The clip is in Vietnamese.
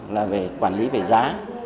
là về quản lý về giá